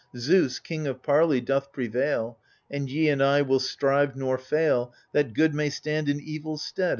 Zeus, king of parley, doth prevail. And ye and I will strive nor fail, That good may stand in evil's stead.